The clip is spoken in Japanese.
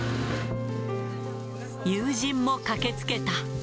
友人も駆けつけた。